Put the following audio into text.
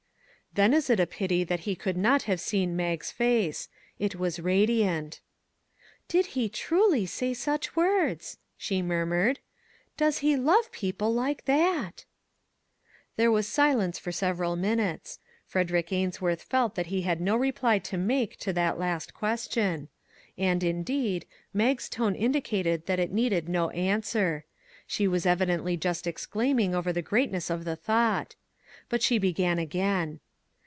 Then it is a pity that he could not have seen Mag's face ; it was radiant. " Did he truly say such words !" she mur mured. " Does he love people like that !" There was silence for several minutes. Fred erick Ainsworth felt that he had no reply to make to that last question ; and, indeed, Mag's tone indicated that it needed no answer; she was evidently just exclaiming over the great ness of the thought. But she began again.